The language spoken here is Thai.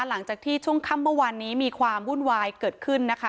หลังจากที่ช่วงค่ำเมื่อวานนี้มีความวุ่นวายเกิดขึ้นนะคะ